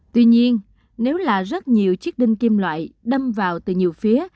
tuy nhiên nếu là rất nhiều chiếc đinh kim loại đâm vào từ nhiều phía